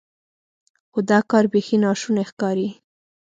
خو دا کار بیخي ناشونی ښکاري.